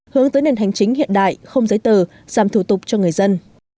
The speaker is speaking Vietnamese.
hướng tới nền hành chính hiện đại không giấy tờ giảm thủ tục cho người dân